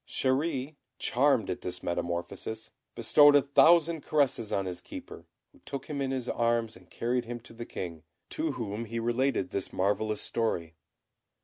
Chéri, charmed at this metamorphosis, bestowed a thousand caresses on his Keeper, who took him in his arms and carried him to the King, to whom he related this marvellous story.